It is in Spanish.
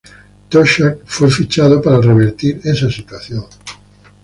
Toshack fue fichado para revertir esa situación.